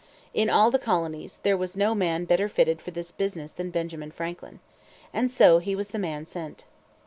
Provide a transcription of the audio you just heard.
In all the colonies there was no man better fitted for this business than Benjamin Franklin. And so he was the man sent.